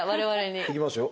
いきますよ